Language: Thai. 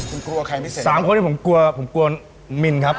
เหนื่อยสามคนที่ผมกลัวผมกลัวมินครับ